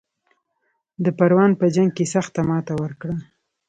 د پروان په جنګ کې سخته ماته ورکړه.